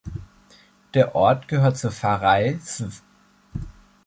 Der Ort gehört zur Pfarrei Św.